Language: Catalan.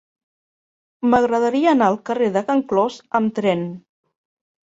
M'agradaria anar al carrer de Can Clos amb tren.